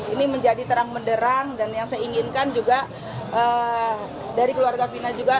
ini menjadi terang menderang dan yang saya inginkan juga dari keluarga fina juga